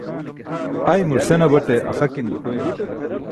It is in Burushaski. ai mur senabate axakin dukoyal